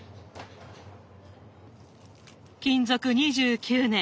勤続２９年。